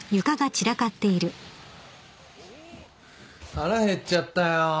腹減っちゃったよ。